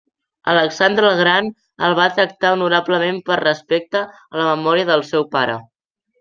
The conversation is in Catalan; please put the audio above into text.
Alexandre el Gran el va tractar honorablement per respecte a la memòria del seu pare.